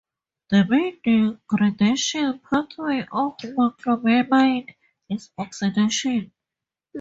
The main degradation pathway of moclobemide is oxidation.